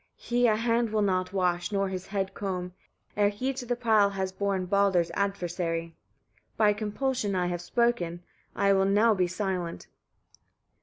He a hand will not wash, nor his head comb, ere he to the pile has borne Baldr's adversary. By compulsion I have spoken; I will now be silent."